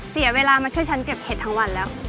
เสียเวลามาช่วยฉันเก็บเห็ดทั้งวันแล้ว